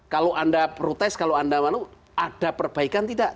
kalau anda protes kalau anda malu ada perbaikan tidak